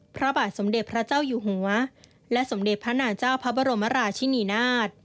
พระบาทสมเด็จพระเจ้าอยู่หัวและสมเด็จพระนางเจ้าพระบรมราชินีนาฏ